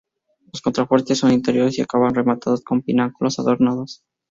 Los contrafuertes son interiores y acaban rematados con pináculos adornados.